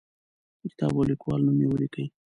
د کتاب او لیکوال نوم یې ولیکئ.